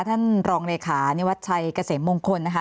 ท่านรองเลขานิวัชชัยเกษมมงคลนะคะ